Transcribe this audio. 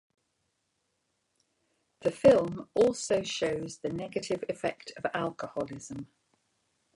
The film also shows the negative effect of alcoholism.